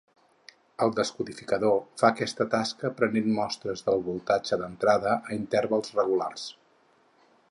El descodificador fa aquesta tasca prenent mostres del voltatge d'entrada a intervals regulars.